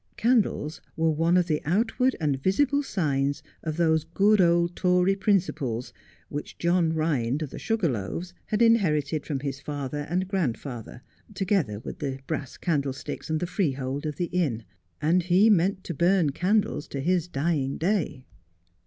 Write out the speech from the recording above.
Candles were one of the outward and visible signs of those good old Tory principles which John Khind of the ' Sugar Loaves ' had inherited from his father and grandfather, together with the brass candlesticks and the freehold of the inn ; and he meant to burn candles to his dying day.